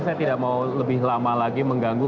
saya tidak mau lebih lama lagi mengganggu